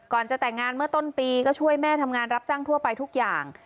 จะแต่งงานเมื่อต้นปีก็ช่วยแม่ทำงานรับจ้างทั่วไปทุกอย่าง